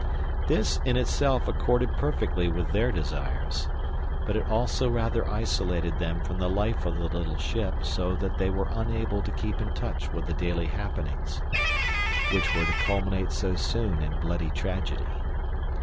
This in itself accorded perfectly with their desires, but it also rather isolated them from the life of the little ship so that they were unable to keep in touch with the daily happenings which were to culminate so soon in bloody tragedy.